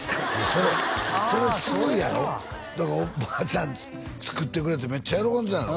それそれすごいやろだからおばあちゃん作ってくれてめっちゃ喜んでたんやろ？